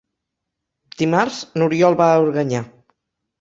Dimarts n'Oriol va a Organyà.